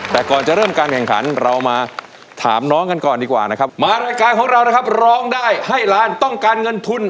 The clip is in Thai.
แต่ก่อนจะเริ่มการแข่งขันเรามาถามน้องกันก่อนดีกว่านะครับมารายการของเรานะครับร้องได้ให้ล้านต้องการเงินทุน